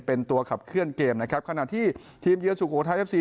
เป็นตัวขับเคลื่อนเกมนะครับขณะที่ทีมเยือสุโขทัยเอฟซี